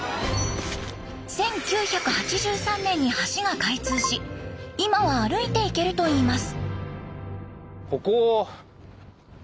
１９８３年に橋が開通し今は歩いて行けるといいます。